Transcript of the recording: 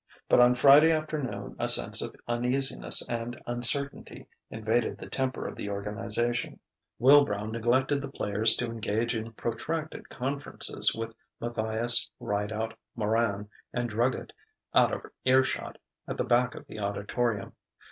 But on Friday afternoon a sense of uneasiness and uncertainty invaded the temper of the organization. Wilbrow neglected the players to engage in protracted conferences with Matthias, Rideout, Moran, and Druggett, out of earshot, at the back of the auditorium.